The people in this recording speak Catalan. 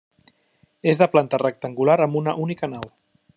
És de planta rectangular amb una única nau.